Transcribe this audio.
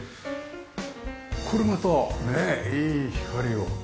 これまたねえいい光を。